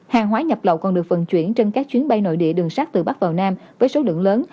hàng hóa nhập lậu còn được vận chuyển trên các chuyến bay nội địa đường sát từ bắc vào nam với số lượng lớn